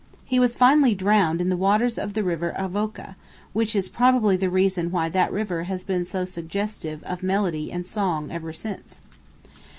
He was finally drowned in the waters of the river Avoca, which is probably the reason why that river has been so suggestive of melody and song ever since.